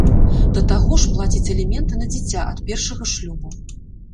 Да таго ж, плаціць аліменты на дзіця ад першага шлюбу.